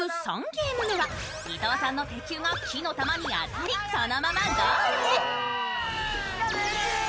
３ゲーム目は伊藤さんの鉄球が木の球に当たりそのままゴールへ。